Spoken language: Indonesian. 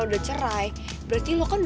udah cerai berarti lo kan